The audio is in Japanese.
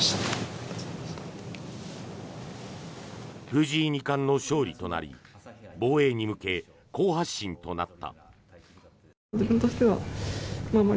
藤井二冠の勝利となり防衛に向け好発進となった。